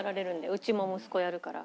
うちも息子やるから。